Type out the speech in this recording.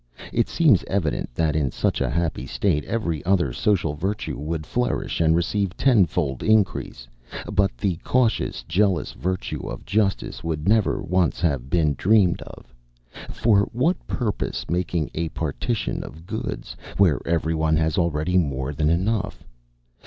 It seems evident, that, in such a happy state, every other social virtue would flourish, and receive tenfold increase; but the cautious, jealous virtue of justice, would never once have been dreamed of. For what purpose make a partition of goods, where every one has already more than enough?